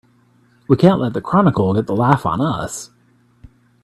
We can't let the Chronicle get the laugh on us!